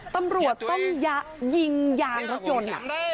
ตำรวจต้องยะยิงยางรถยนต์